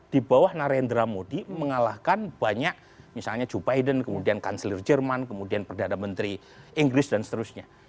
di bawah narendra modi mengalahkan banyak misalnya joe biden kemudian kanselir jerman kemudian perdana menteri inggris dan seterusnya